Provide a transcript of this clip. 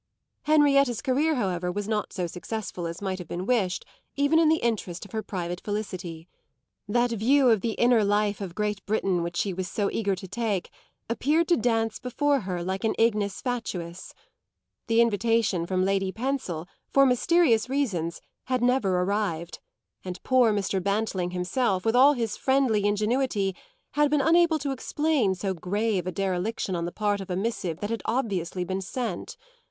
Henrietta's career, however, was not so successful as might have been wished even in the interest of her private felicity; that view of the inner life of Great Britain which she was so eager to take appeared to dance before her like an ignis fatuus. The invitation from Lady Pensil, for mysterious reasons, had never arrived; and poor Mr. Bantling himself, with all his friendly ingenuity, had been unable to explain so grave a dereliction on the part of a missive that had obviously been sent.